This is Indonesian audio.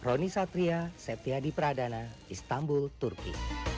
roni satria septiadi pradana istanbul turki